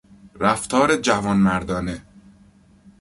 رفتار جوانمردانه